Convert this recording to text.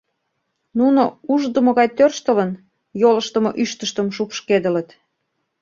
Нуно, ушдымо гай тӧрштылын, йолыштымо ӱштыштым шупшкедылыт.